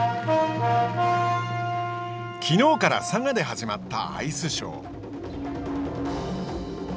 きのうから佐賀で始まったアイスショー。